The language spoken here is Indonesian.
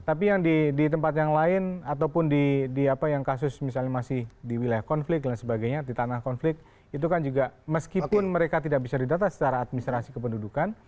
tapi yang di tempat yang lain ataupun di apa yang kasus misalnya masih di wilayah konflik dan sebagainya di tanah konflik itu kan juga meskipun mereka tidak bisa didata secara administrasi kependudukan